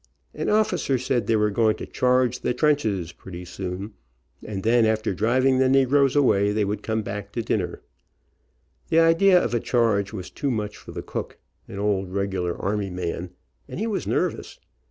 An officer said they were going to charge the trenches pretty soon, and then, after driving the negroes away l6 THE SOLDIER AND BRANDING IRON they would come back to dinner. The idea of a charge was too much for the cook, an old regular army man, and he was nervous.